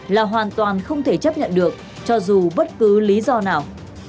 là hoàn toàn không thể chấp nhận được cho dù bất cứ lý do nào